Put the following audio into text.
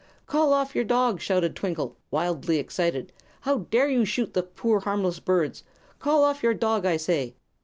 "Call off your dog!" shouted Twinkle, wildly excited. "How dare you shoot the poor, harmless birds? Call off your dog, I say!"